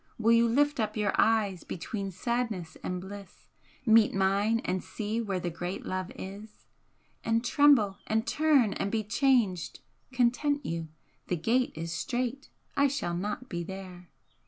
Will you lift up your eyes between sadness and bliss, Meet mine and see where the great love is? And tremble and turn and be changed? Content you; The gate is strait; I shall not be there.